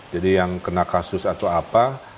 jadi yang kena kasus atau apa